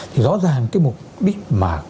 thì rõ ràng cái mục đích mà